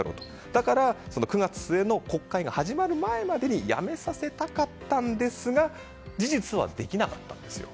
だから９月末の国会が始まる前までに辞めさせたかったんですが事実はできなかったんですよ。